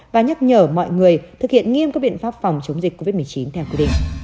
và nhắc nhở mọi người thực hiện nghiêm các biện pháp phòng chống dịch covid một mươi chín theo quy định